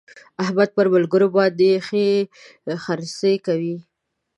احمد په ملګرو باندې ښې خرڅې کوي.